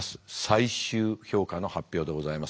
最終評価の発表でございます。